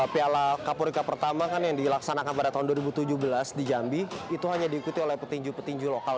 piala kapolri cup pertama kan yang dilaksanakan pada tahun dua ribu tujuh belas di jambi itu hanya diikuti oleh petinju petinju lokal